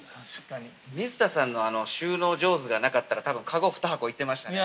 ◆水田さんの収納上手がなかったら多分、かご２箱いってましたね。